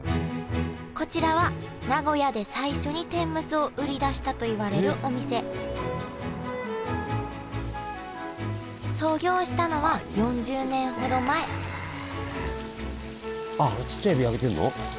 こちらは名古屋で最初に天むすを売り出したといわれるお店創業したのは４０年ほど前あっあのちっちゃいエビ揚げてんの？